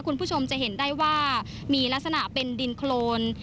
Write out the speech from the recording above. คุณผู้ชมจะเห็นได้ว่ามีลักษณะเป็นดินโครน